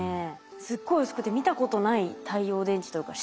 すっごい薄くて見たことない太陽電池というか。